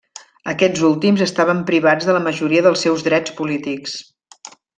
Aquests últims estaven privats de la majoria dels seus drets polítics.